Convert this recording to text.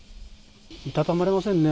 いたたまれませんね